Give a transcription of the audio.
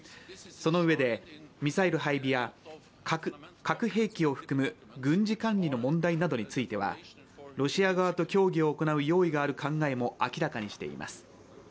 そのうえで、ミサイル配備や核兵器を含む軍事管理の問題などについてはロシア側と協議を行う用意がある考えも明らかにしています。